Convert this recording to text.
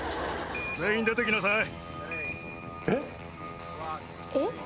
全員出てきなさい